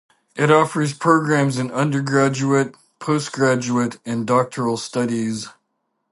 It offers programmes in undergraduate, post-graduate, and doctoral studies.